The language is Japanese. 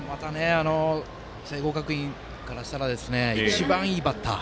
聖光学院からしたら一番いいバッター。